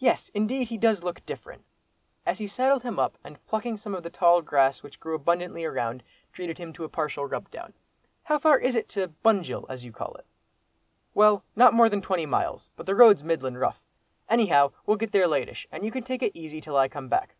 "Yes, indeed, he does look different," as he saddled him up, and, plucking some of the tall grass which grew abundantly around, treated him to a partial rub down. "How far is it to Bunjil, as you call it?" "Well, not more than twenty miles, but the road's middlin' rough. Anyhow we'll get there latish, and you can take it easy till I come back.